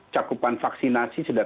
cakupan vaksinasi sudah